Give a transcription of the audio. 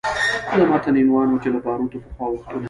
د متن عنوان و چې له باروتو پخوا وختونه